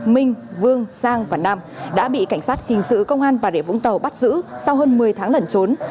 minh vương sang và nam đã bị cảnh sát hình sự công an bà địa vũng tàu bắt giữ sau hơn một mươi tháng lẩn trốn